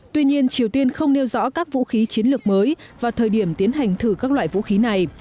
tuy nhiên triều tiên không nêu rõ các vũ khí chiến lược mới và thời điểm tiến hành thử các loại vũ khí này